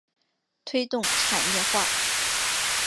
推动产业化